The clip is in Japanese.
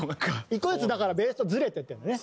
１個ずつだからベースとずれていってるんだよね。